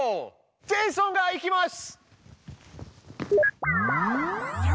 ジェイソンが行きます。